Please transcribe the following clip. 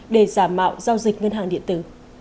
để giảm mạo giao dịch ngân hàng điện tử